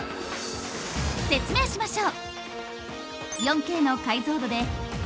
説明しましょう！